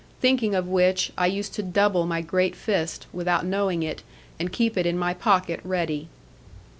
Thinking of which, I used to double my great fist, without knowing it, and keep it in my pocket ready.